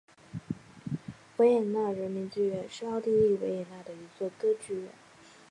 维也纳人民剧院是奥地利维也纳的一座歌剧院。